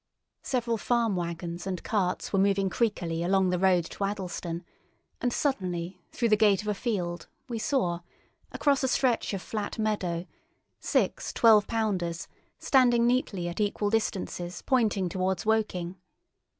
Several farm waggons and carts were moving creakily along the road to Addlestone, and suddenly through the gate of a field we saw, across a stretch of flat meadow, six twelve pounders standing neatly at equal distances pointing towards Woking.